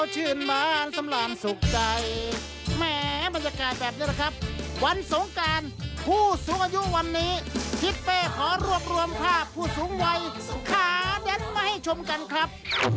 เชิญชมได้เลยครับ